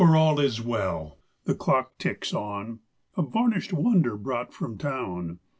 all is well, the clock ticks on—a var¬ nished wonder brought from town.